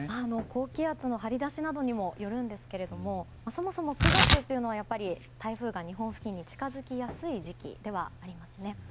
高気圧の張り出しなどにもよるんですけれどもそもそも９月は台風が日本付近に近づきやすい時期ではありますね。